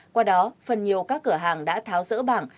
qua đó phần nhiều các cửa hàng đã tháo rỡ bảng